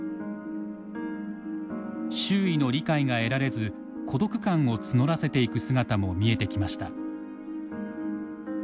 周囲の理解が得られず孤独感を募らせていく姿も見えてきました。